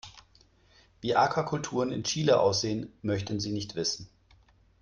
Wie Aquakulturen in Chile aussehen, möchten Sie nicht wissen.